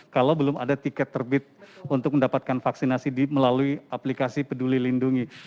kalau belum ada tiket terbit untuk mendapatkan vaksinasi melalui aplikasi peduli lindungi